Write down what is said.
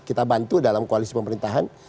itu dalam koalisi pemerintahan